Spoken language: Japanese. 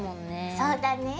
そうだね。